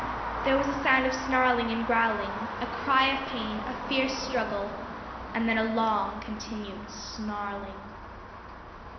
There was a sound of snarling and growling; a cry of pain, a fierce struggle, and then a long continued snarling.